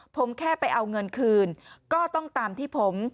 ผมแค่ไปเอาเงินคืนก็ต้องตามที่ผม